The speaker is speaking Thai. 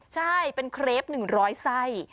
ใช่เป็นเคร็บอย่างร้อยไส้